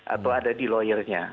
atau ada di lawyernya